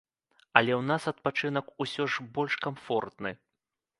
Але ў нас адпачынак усё ж больш камфортны.